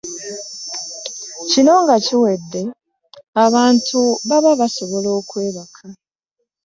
Kino nga kiwedde, abantu baba basobola okwebaka.